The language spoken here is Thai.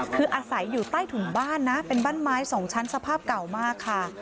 คืออาศัยอยู่ใต้ถุนบ้านนะเป็นบ้านไม้สองชั้นสภาพเก่ามากค่ะ